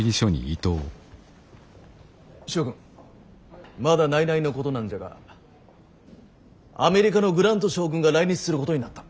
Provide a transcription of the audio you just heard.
諸君まだ内々のことなんじゃがアメリカのグラント将軍が来日することになった。